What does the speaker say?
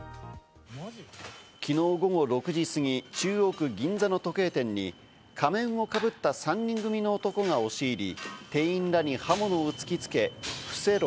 昨日午後６時過ぎ、中央区銀座の時計店に仮面をかぶった３人組の男が押し入り、店員らに刃物を突きつけ伏せろ。